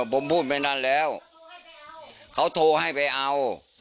ผมพูดไปนานแล้วเขาโทรให้ไปเอา